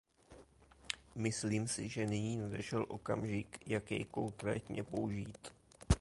Myslím si, že nyní nadešel okamžik, jak jej konkrétně použít.